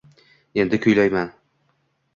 Endi kuylayman